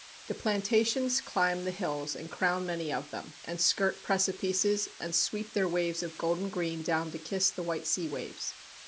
The plantations climb the hills and crown many of them, and skirt precipices, and sweep their waves of golden green down to kiss the white sea waves.